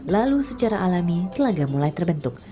lalu secara alami telaga mulai terbentuk